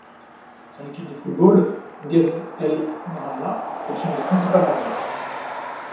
Son équipe de football, Ghazl El Mahallah, est l'une des principales en Égypte.